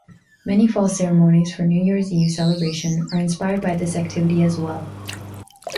Many fall ceremonies for New Year’s Eve celebration are inspired by this activity as well.